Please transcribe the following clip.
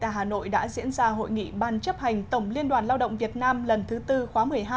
hà nội đã diễn ra hội nghị ban chấp hành tổng liên đoàn lao động việt nam lần thứ tư khóa một mươi hai